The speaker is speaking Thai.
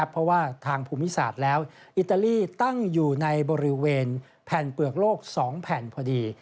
เพราะว่าทางภูมิศาสตร์แล้วอิตาลีตั้งอยู่ในบริเวณแผ่นเปลือกโลก๒แผ่นพอดี